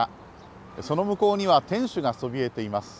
その向こうには天守がそびえています。